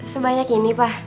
sebanyak ini pa